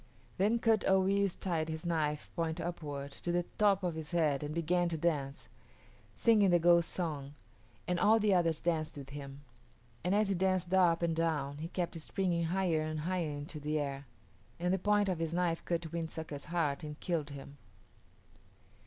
Then Kut o yis´ tied his knife, point upward, to the top of his head and began to dance, singing the ghost song, and all the others danced with him; and as he danced up and down he kept springing higher and higher into the air, and the point of his knife cut Wind Sucker's heart and killed him.